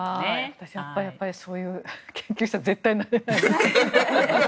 私はやっぱりそういう研究者には絶対なれないです。